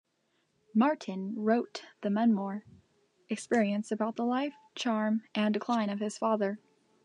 Martin wrote the memoir "Experience" about the life, charm, and decline of his father.